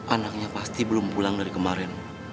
anaknya pasti belum pulang dari kemarin